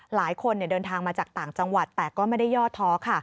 หลายคนเดินทางมาจากต่างจังหวัดแต่ก็ไม่ได้ย่อท้อค่ะ